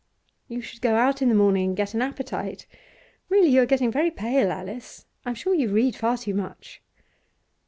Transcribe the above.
'You should go out in the morning and get an appetite. Really, you are getting very pale, Alice. I'm sure you read far too much.